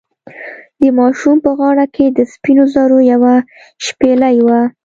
د ماشوم په غاړه کې د سپینو زرو یوه شپیلۍ وه.